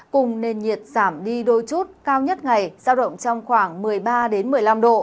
cùng nền nhiệt giảm đi đôi chút cao nhất ngày giao động trong khoảng một mươi ba một mươi năm độ